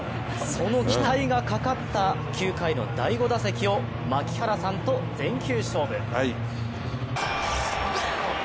その期待がかかった９回の第５打席を槙原さんと全球勝負。